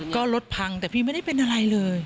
ก็รถพังแต่พี่ไม่ได้เป็นอะไรเลย